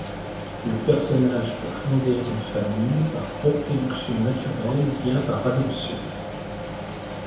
Le personnage peut fonder une famille par reproduction naturelle ou bien par adoption.